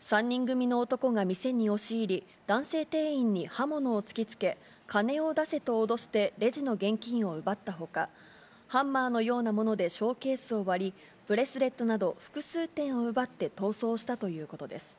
３人組の男が店に押し入り、男性店員に刃物を突きつけ、金を出せと脅してレジの現金を奪ったほか、ハンマーのようなものでショーケースを割り、ブレスレットなど複数点を奪って逃走したということです。